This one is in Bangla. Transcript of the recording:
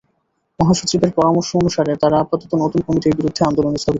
মহাসচিবের পরামর্শ অনুসারে তাঁরা আপাতত নতুন কমিটির বিরুদ্ধে আন্দোলন স্থগিত রেখেছেন।